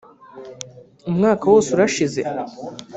umwaka wose urashize